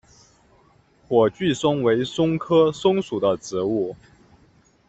火炬松为松科松属的植物。